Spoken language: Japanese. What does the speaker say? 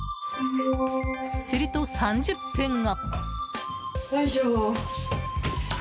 すると３０分後。